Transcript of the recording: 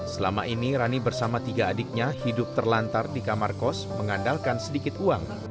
selama ini rani bersama tiga adiknya hidup terlantar di kamar kos mengandalkan sedikit uang